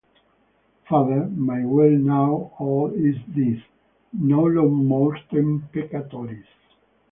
Father, my will now all is this: Nolo mortem peccatoris.